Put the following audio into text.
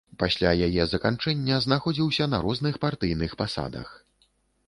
Пасля яе заканчэння знаходзіўся на розных партыйных пасадах.